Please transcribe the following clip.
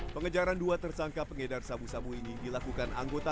pengejaran dua tersangka pengedar sabu sabu ini dilakukan anggota